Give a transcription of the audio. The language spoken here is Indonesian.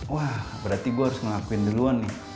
wah berarti gue harus mengakuin duluan nih